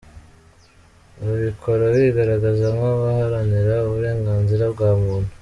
Babikora bigaragaza nk’abaharanira uburenganzira bwa muntu.